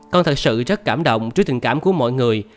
con thật sự rất cảm động trước tình cảm của mọi người